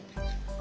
あ！